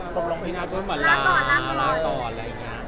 จริงตกลงพี่นัทก็ไม่มาลาก่อนอะไรอย่างนี้